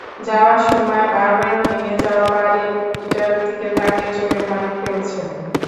যাওয়ার সময় বারবার ভেঙে যাওয়া বাড়ি-ভিটার দিকে তাকিয়ে চোখের পানি ফেলছেন।